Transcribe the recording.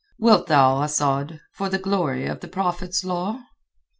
Wilt thou, Asad—for the glory of the Prophet's Law?"